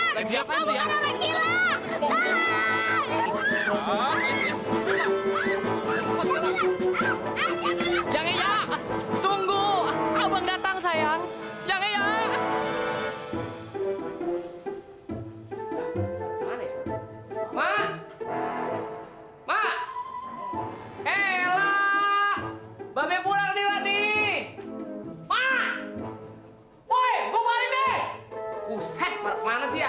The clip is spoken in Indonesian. sampai jumpa di video selanjutnya